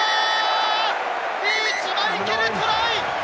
リーチ・マイケル、トライ！